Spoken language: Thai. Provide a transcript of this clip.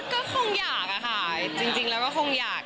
ก็คงอยากอะค่ะจริงแล้วก็คงอยาก